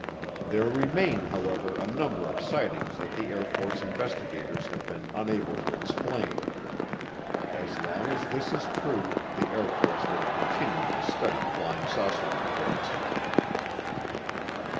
There remain, however, a number of sightings that the Air Force investigators have been unable to explain. As long as this is true, the Air Force will continue to study flying saucer reports."